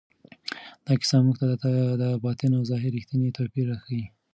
دا کیسه موږ ته د باطن او ظاهر رښتینی توپیر راښیي.